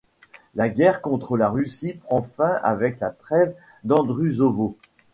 La guerre contre la Russie prend fin avec la trêve d'Andrusovo.